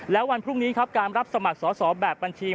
แล้ววันพรุ่งนี้ครับการรับสมัครสอบแบบบัญชี